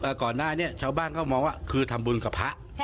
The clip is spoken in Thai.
ก่อนหน้านี้ชาวบ้านเขามองว่าคือทำบุญกับพระ